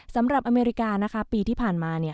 สำหรับอเมริกานะคะปีที่ผ่านมาเนี่ย